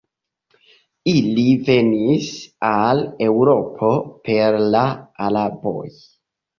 Ili venis al Eŭropo per la Araboj.